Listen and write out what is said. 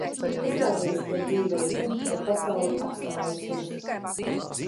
Izrādījās, ka ir dzīve arī tad, kad pasaule apstājusies.